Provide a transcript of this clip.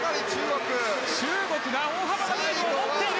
中国が大幅なリードを保っている。